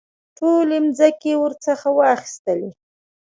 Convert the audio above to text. ټولې مځکې ورڅخه واخیستلې.